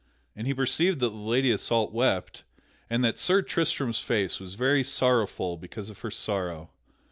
And he perceived that the Lady Isoult wept and that Sir Tristram's face was very sorrowful because of her sorrow.